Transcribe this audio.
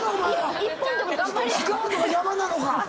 スカートが邪魔なのか！